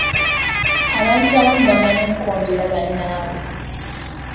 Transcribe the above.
Abantu abamu bamanyi okukonjera bannaabwe;